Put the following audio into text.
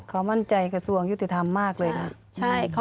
เขามั่นใจกระทรวงยุติธรรมมากเลยนะ